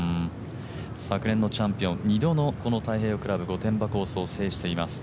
昨年のチャンピオン２度の太平洋クラブ御殿場コースを制しています。